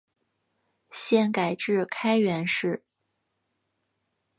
现改置开原市。